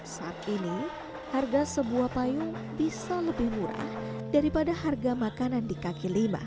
saat ini harga sebuah payung bisa lebih murah daripada harga makanan di kaki lima